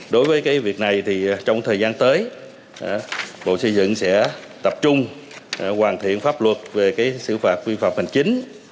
đối với việc này thì trong thời gian tới bộ xây dựng sẽ tập trung hoàn thiện pháp luật về xử phạt vi phạm hành chính